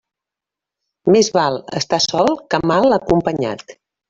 Més val estar sol que mal acompanyat.